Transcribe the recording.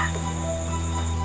dia bisa berubah